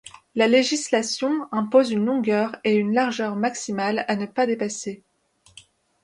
La législation impose une longueur et une largeur maximale à ne pas dépasser.